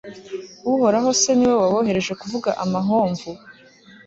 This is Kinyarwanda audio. uhoraho se ni we wabohereje kuvuga amahomvu